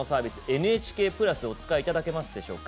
ＮＨＫプラスをお使いいただいていますでしょうか。